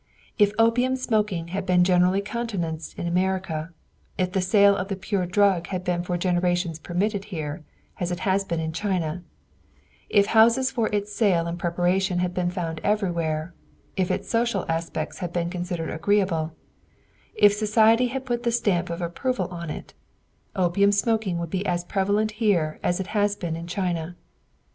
If opium smoking had been generally countenanced in America, if the sale of the pure drug had been for generations permitted here, as it has been in China, if houses for its sale and preparation had been found everywhere, if its social aspects had been considered agreeable, if society had put the stamp of approval upon it, opium smoking would be as prevalent here as it has been in China.